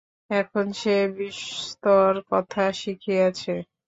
এখন সে বিস্তর কথা শিখিয়াছে।